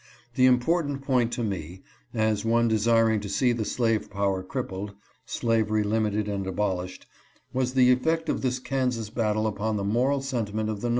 The import ant point to me, as one desiring to see the slave power crippled, slavery limited and abolished, was the effect of this Kansas battle upon the moral sentiment of the 370 CONTEST OVER KANSAS.